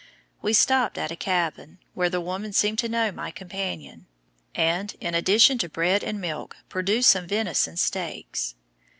We stopped at a cabin, where the woman seemed to know my companion, and, in addition to bread and milk, produced some venison steaks.